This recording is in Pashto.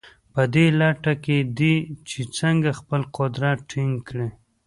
په دې لټه کې دي چې څنګه خپل قدرت ټینګ کړي.